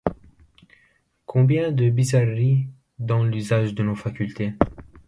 Combien de bizarreries dans l’usage de nos facultés!